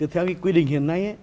theo quy định hiện nay